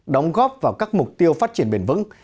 đóng góp vào các mục tiêu phát triển bền vững